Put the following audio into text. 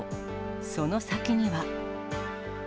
その先には。